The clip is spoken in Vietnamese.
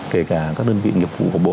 kể cả các đơn vị nghiệp vụ của bộ